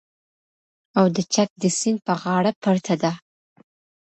او د چک د سیند په غاړه پرته ده